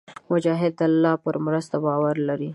مجاهد د الله پر مرسته باور لري.